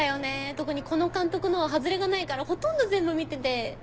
特にこの監督のはハズレがないからほとんど全部見てて。